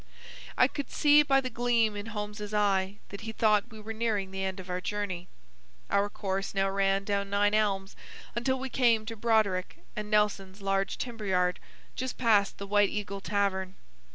I could see by the gleam in Holmes's eyes that he thought we were nearing the end of our journey. Our course now ran down Nine Elms until we came to Broderick and Nelson's large timber yard, just past the White Eagle tavern.